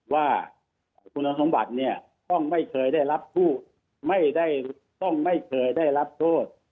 ว่าคุณสมบัติต้องไม่เคยได้รับโทษ